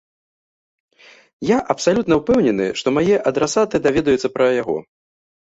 Я абсалютна ўпэўнены, што мае адрасаты даведаюцца пра яго.